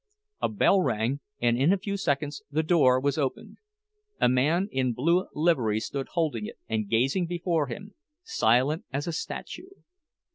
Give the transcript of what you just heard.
A bell rang, and in a few seconds the door was opened. A man in blue livery stood holding it, and gazing before him, silent as a statue.